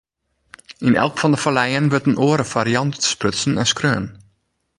Yn elk fan de falleien wurdt in oare fariant sprutsen en skreaun.